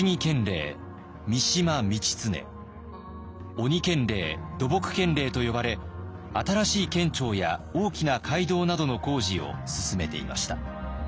「鬼県令」「土木県令」と呼ばれ新しい県庁や大きな街道などの工事を進めていました。